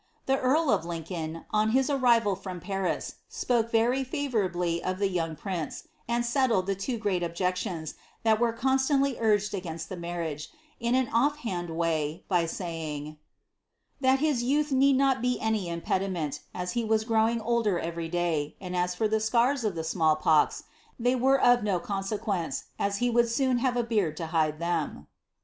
The earl of Lincoln, on his arrival from Paris, spoke very lavuurably of the young prince, and settled the two greui ot^ec lions, that were constantly urged against the marriage, in an otT haDil way, by saying, " that his youth need not be any impediment, as he vu growing older every day, and as for the scars of the amall pos, they were of no consequence, as he would soon have a beard to hide them."